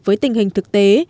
với tình hình thực tế